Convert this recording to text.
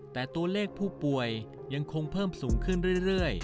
แต่ตัวเลขผู้ป่วยยังคงเพิ่มสูงขึ้นเรื่อย